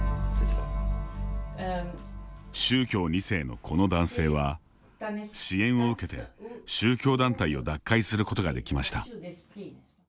宗教２世のこの男性は支援を受けて宗教団体を脱会することができました。